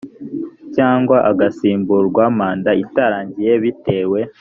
cyangwa agasimburwa manda itarangiye bitewe